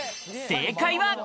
正解は。